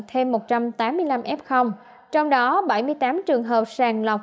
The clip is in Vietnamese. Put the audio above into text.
thêm một trăm tám mươi năm f trong đó bảy mươi tám trường hợp sàng lọc